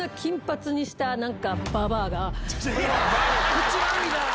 口悪いなぁ！